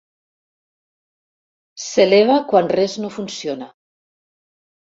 S'eleva quan res no funciona.